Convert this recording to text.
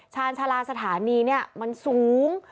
ชาญชาลาสถานีเนี่ยมันสูง